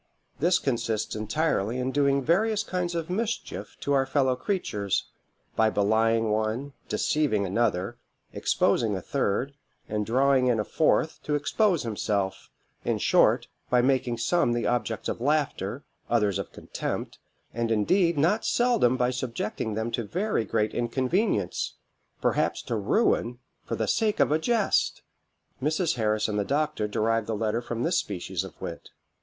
This consists entirely in doing various kinds of mischief to our fellow creatures, by belying one, deceiving another, exposing a third, and drawing in a fourth, to expose himself; in short, by making some the objects of laughter, others of contempt; and indeed not seldom by subjecting them to very great inconveniences, perhaps to ruin, for the sake of a jest. "Mrs. Harris and the doctor derived the letter from this species of wit.